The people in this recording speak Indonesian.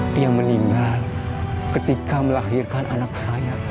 dia meninggal ketika melahirkan anak saya